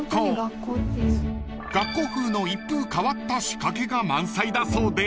［学校風の一風変わった仕掛けが満載だそうで］